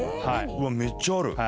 うわめっちゃある。